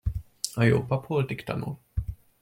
A jó pap holtig tanul.